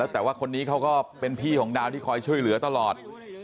แต่ว่าคนนี้เขาก็เป็นพี่ของดาวที่คอยช่วยเหลือตลอด